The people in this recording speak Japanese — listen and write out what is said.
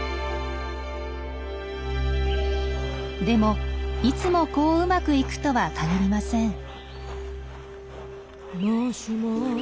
でもいつもこううまくいくとは限りません。